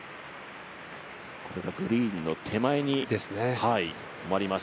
グリーンの手前に止まります。